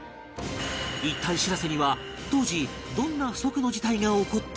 一体しらせには当時どんな不測の事態が起こったのか？